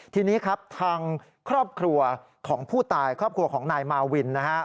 ทีนี้ครับทางครอบครัวของผู้ตายครอบครัวของนายมาวินนะฮะ